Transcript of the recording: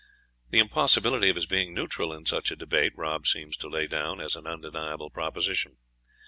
The impossibility of his being neutral in such a debate, Rob seems to lay down as an undeniable proposition.